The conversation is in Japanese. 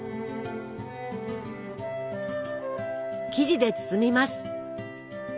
生地で包みます。